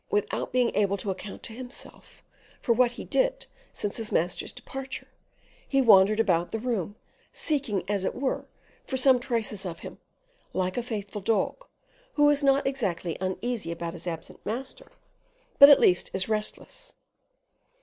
Without being able to account to himself for what he did since his master's departure, he wandered about the room, seeking, as it were, for some traces of him, like a faithful dog, who is not exactly uneasy about his absent master, but at least is restless.